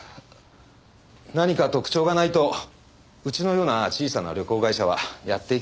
何か特徴がないとうちのような小さな旅行会社はやっていけませんからね。